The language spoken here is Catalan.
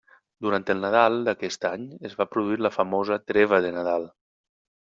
Durant el Nadal d'aquest any es va produir la famosa Treva de Nadal.